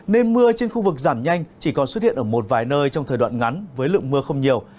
nên mưa trên khu vực giảm nhanh chỉ còn xuất hiện ở một vài nơi trong thời đoạn ngắn với lượng mưa không nhiều